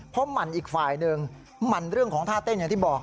เพราะหมั่นอีกฝ่ายหนึ่งหมั่นเรื่องของท่าเต้นอย่างที่บอก